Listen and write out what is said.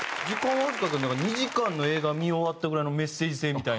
終わったあとになんか２時間の映画見終わったぐらいのメッセージ性みたいな。